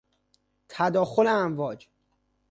تداخل امواج